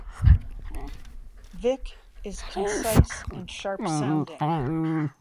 Vik is concise and sharp-sounding.